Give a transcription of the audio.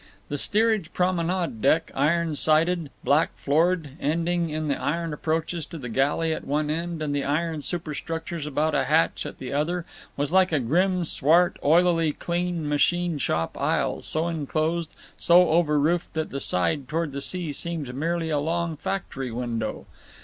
The steerage promenade deck, iron sided, black floored, ending in the iron approaches to the galley at one end and the iron superstructures about a hatch at the other, was like a grim swart oilily clean machine shop aisle, so inclosed, so over roofed, that the side toward the sea seemed merely a long factory window.